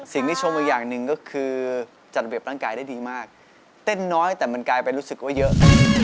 ที่ชมอีกอย่างหนึ่งก็คือจัดระเบียบร่างกายได้ดีมากเต้นน้อยแต่มันกลายเป็นรู้สึกว่าเยอะ